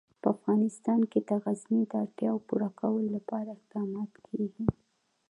په افغانستان کې د غزني د اړتیاوو پوره کولو لپاره اقدامات کېږي.